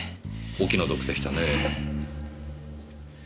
お気の毒でしたねぇ。